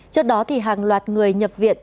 trước đó hàng loạt người nhập viện